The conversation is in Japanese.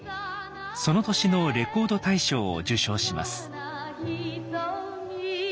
その年のレコード大賞を受賞します。